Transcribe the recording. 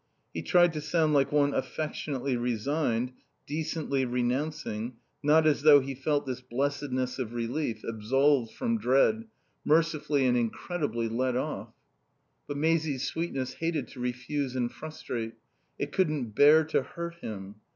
He tried to sound like one affectionately resigned, decently renouncing, not as though he felt this blessedness of relief, absolved from dread, mercifully and incredibly let off. But Maisie's sweetness hated to refuse and frustrate; it couldn't bear to hurt him.